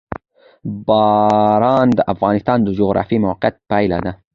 باران د افغانستان د جغرافیایي موقیعت پایله ده.